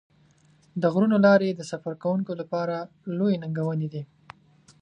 د غرونو لارې د سفر کوونکو لپاره لویې ننګونې دي.